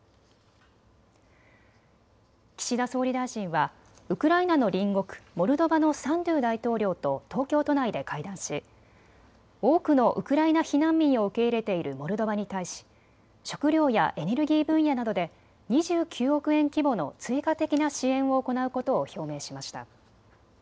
岸田総理大臣はウクライナの隣国モルドバのサンドゥ大統領と東京都内で会談し多くのウクライナ避難民を受け入れているモルドバに対し食料やエネルギー分野などで２９億円規模の追加的な支援を行うことを表明しました。